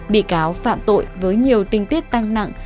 bị cáo phạm tội với nhiều tinh tiết tăng nặng